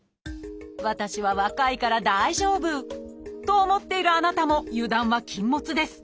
私は若いから大丈夫！と思っているあなたも油断は禁物です。